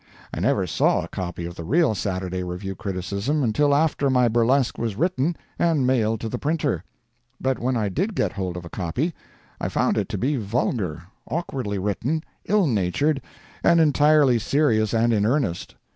I never saw a copy of the real "Saturday Review" criticism until after my burlesque was written and mailed to the printer. But when I did get hold of a copy, I found it to be vulgar, awkwardly written, ill natured, and entirely serious and in earnest.